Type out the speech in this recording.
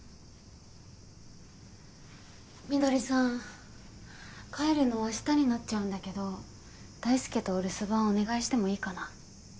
翠さん帰るの明日になっちゃうんだけど大輔とお留守番お願いしてもいいかな？